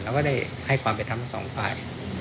เราก็ได้ให้ความเป็นทั้งสองฝ่าย